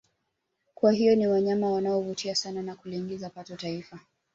Kwa hiyo ni wanyama wanao vutia sana na kuliingizia pato taifa